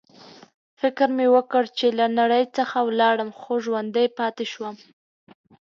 فکر مې وکړ چې له نړۍ څخه ولاړم، خو ژوندی پاتې شوم.